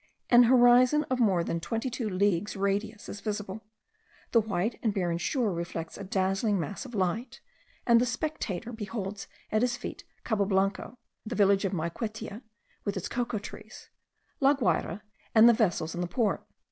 An horizon of more than twenty two leagues radius is visible; the white and barren shore reflects a dazzling mass of light; and the spectator beholds at his feet Cabo Blanco, the village of Maiquetia with its cocoa trees, La Guayra, and the vessels in the port.